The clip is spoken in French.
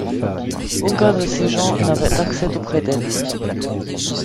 Aucun de ses gens n’avait accès auprès d’elle.